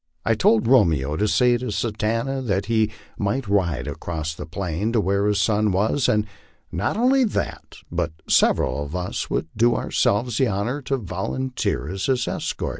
I told Romeo to say to Satanta that he might ride across the plain to where his son was, and not only that, but sev* eral of us would do ourselves the honor to volunteer as his escort.